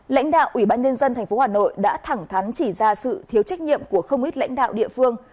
lãnh đạo ủy ban nhân dân tp hà nội đã thẳng thắn chỉ ra sự thiếu trách nhiệm của không ít lãnh đạo địa phương